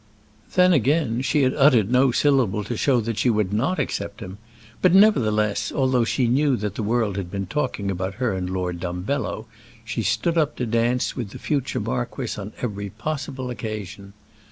Then again she had uttered no syllable to show that she would not accept him; but, nevertheless, although she knew that the world had been talking about her and Lord Dumbello, she stood up to dance with the future marquess on every possible occasion.